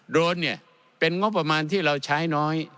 โดรนเป็นงบประมาณที่เราใช้น้อย